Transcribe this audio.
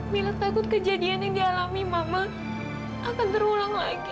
mila takut kejadian yang dialami mama akan terulang lagi